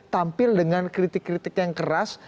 tampil dengan kritik kritik yang keras